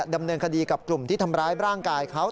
ดำเนินคดีกับกลุ่มที่ทำร้ายร่างกายเขา